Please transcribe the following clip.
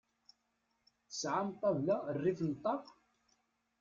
Tesɛam ṭabla rrif n ṭaq?